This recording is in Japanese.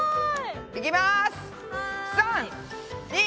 いきます！